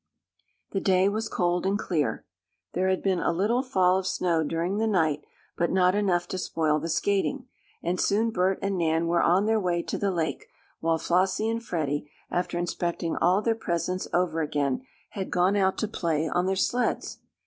The day was cold and clear. There had been a little fall of snow during the night, but not enough to spoil the skating, and soon Bert and Nan were on their way to the lake, while Flossie and Freddie, after inspecting all their presents over again, had gone out to play on their sleds.